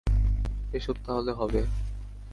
এসব তাহলে হবে!